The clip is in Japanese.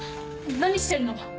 何してるの！